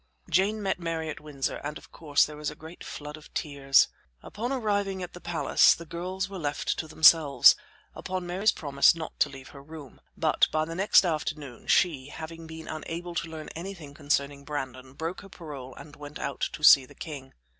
Jane met Mary at Windsor, and, of course, there was a great flood of tears. Upon arriving at the palace, the girls were left to themselves, upon Mary's promise not to leave her room; but, by the next afternoon, she, having been unable to learn anything concerning Brandon, broke her parole and went out to see the king.